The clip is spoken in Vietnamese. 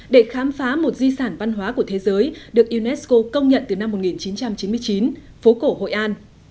để khám phá một di sản văn hóa của thế giới được unesco công nhận từ năm một nghìn chín trăm chín mươi chín phố cổ hội an